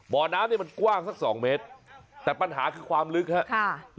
บ่อน้ำเนี่ยมันกว้างสักสองเมตรแต่ปัญหาคือความลึกครับ